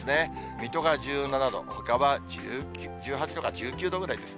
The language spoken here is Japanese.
水戸が１７度、ほかは１８度か１９度ぐらいです。